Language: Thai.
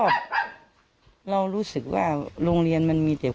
ครับ